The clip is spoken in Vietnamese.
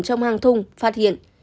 trong hang thung phát hiện